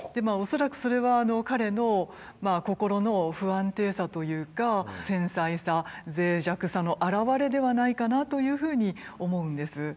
恐らくそれは彼の心の不安定さというか繊細さぜい弱さの表れではないかなというふうに思うんです。